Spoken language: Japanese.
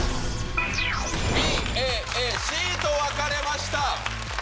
Ｂ、Ａ、Ａ、Ｃと分かれました。